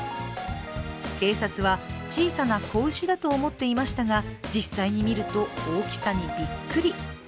警察は小さな子牛だと思っていましたが実際に見ると、大きさにびっくり。